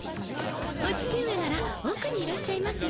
お父上ならおくにいらっしゃいますよ。